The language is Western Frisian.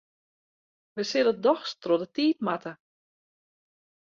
Wy sille dochs troch de tiid moatte.